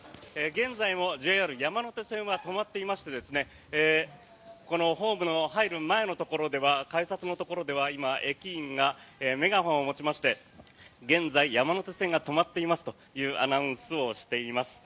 現在もＪＲ山手線は止まっていましてホームの入る前のところでは改札のところでは今、駅員がメガホンを持ちまして現在、山手線が止まっていますというアナウンスをしています。